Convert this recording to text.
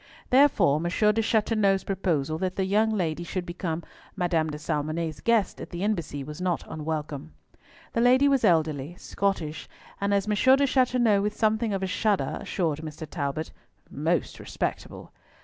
Therefore M de Chateauneuf's proposal that the young lady should become Madame de Salmonnet's guest at the embassy was not unwelcome. The lady was elderly, Scottish, and, as M. de Chateauneuf with something of a shudder assured Mr. Talbot, "most respectable."